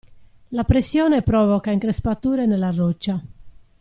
La pressione provoca increspature nella roccia.